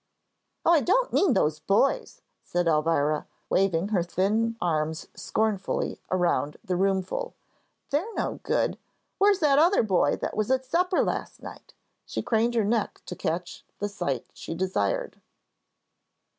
"Oh, I don't mean these boys," said Elvira, waving her thin arms scornfully around the roomful. "They're no good. Where's that other boy that was at supper last night?" she craned her neck to catch the sight she desired.